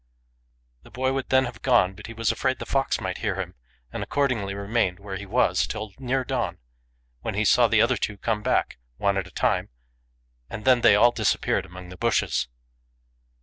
The boy would then have gone home ; but he was afraid the fox might hear him, and accordingly remained where he was till near dawn, when he saw the other two come back, one at a time, and then they all disappeared among the bushes.